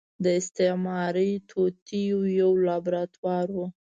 د استعماري توطيو يو لابراتوار و.